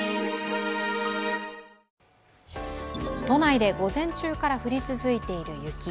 都内で午前中から降り続いている雪。